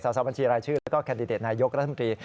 เศรษฐ์สาวบัญชีรายชื่อและก็แคนดิเต็ตนายกรัฐมกรี